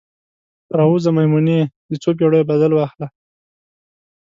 راووځه میمونۍ، د څوپیړیو بدل واخله